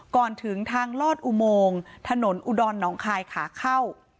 ก่อนถึงทางลอดอุโมงถนนอุดรหนองคายขาเข้า